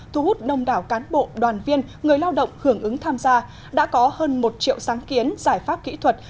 thu hút đông đảo cán bộ đoàn viên người lao động hưởng ứng tham gia đã có hơn một triệu sáng kiến giải pháp kỹ thuật